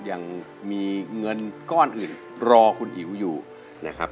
ยังมีเงินก้อนอื่นรอคุณอิ๋วอยู่นะครับ